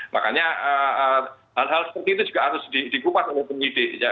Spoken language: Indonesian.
makanya hal hal seperti itu juga harus dikupas oleh penyidik